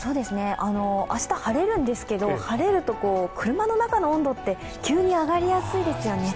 明日、晴れるんですけと、晴れると車の中の温度って急に上がりやすいですよね。